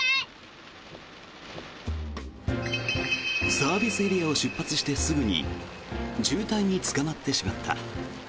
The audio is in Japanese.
サービスエリアを出発してすぐに渋滞につかまってしまった。